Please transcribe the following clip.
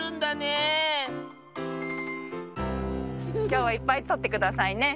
きょうはいっぱいとってくださいね。